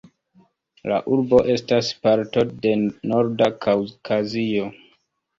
La urbo estas parto de Norda Kaŭkazio.